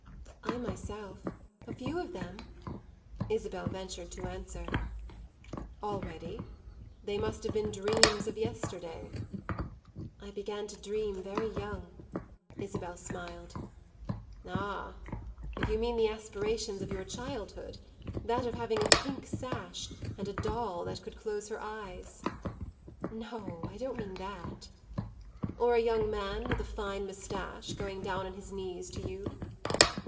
"I myself a few of them," Isabel ventured to answer. "Already? They must have been dreams of yesterday." "I began to dream very young," Isabel smiled. "Ah, if you mean the aspirations of your childhood that of having a pink sash and a doll that could close her eyes." "No, I don't mean that." "Or a young man with a fine moustache going down on his knees to you."